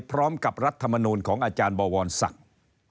พร้อมกับรัฐธรรมนูลของอาจารย์บ่วนศักดิ์